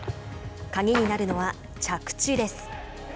鍵になるのは着地です。